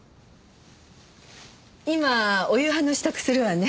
今お夕飯の支度するわね。